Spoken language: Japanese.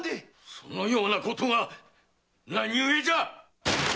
そのようなことが何ゆえじゃ！